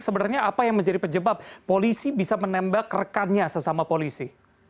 sebenarnya apa yang menjadi penyebab polisi bisa menembak rekannya sesama polisi